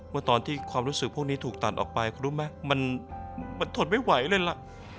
ว่าตอนที่ความรู้สึกพวกนี้ถูกตัดออกไปคุณรู้ไหมมันทนไม่ไหวเลยล่ะ